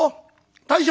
大将。